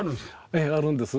ええあるんです。